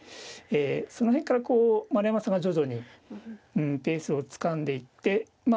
その辺から丸山さんが徐々にペースをつかんでいって。